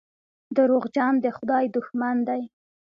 دروغجن د خدای دښمن دی.